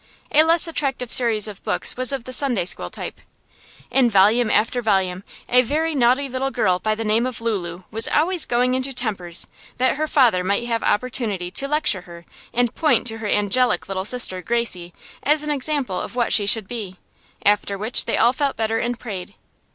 A less attractive series of books was of the Sunday School type. In volume after volume a very naughty little girl by the name of Lulu was always going into tempers, that her father might have opportunity to lecture her and point to her angelic little sister, Gracie, as an example of what she should be; after which they all felt better and prayed.